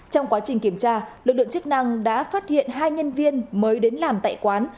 trong quá trình kiểm tra lực lượng chức năng đã phát hiện hai nhân viên mới đến làm tại quán